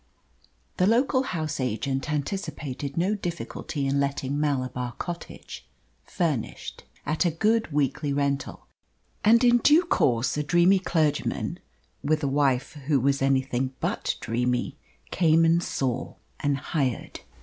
The local house agent anticipated no difficulty in letting Malabar Cottage, furnished, at a good weekly rental; and in due course a dreamy clergyman, with a wife who was anything but dreamy, came and saw and hired.